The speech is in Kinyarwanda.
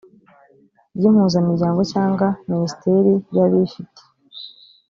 ry impuzamiryango cyangwa minisiteriya bifite